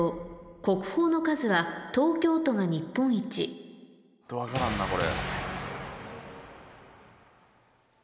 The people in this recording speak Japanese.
「国宝の数」は東京都が日本一ホント分からんなこれ。